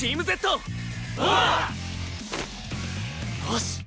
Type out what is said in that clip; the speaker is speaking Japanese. よし！